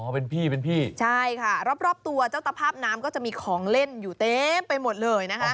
เป็นพี่เป็นพี่ใช่ค่ะรอบตัวเจ้าตภาพน้ำก็จะมีของเล่นอยู่เต็มไปหมดเลยนะคะ